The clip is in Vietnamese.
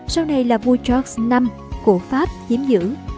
sau này là vua george v của pháp chiếm giữ